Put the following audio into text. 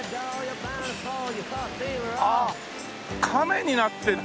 あっ亀になってるんだ！